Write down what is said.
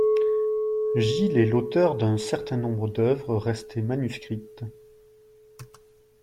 Gilles est l'auteur d'un certain nombre d'œuvres, restées manuscrites.